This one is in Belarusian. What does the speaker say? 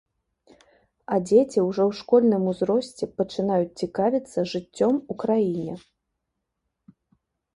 А дзеці ўжо ў школьным узросце пачынаюць цікавіцца жыццём у краіне.